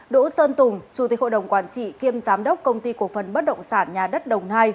đỗ sơn tùng chủ tịch hội đồng quản trị kiêm giám đốc công ty cổ phần bất động sản nhà đất đồng nai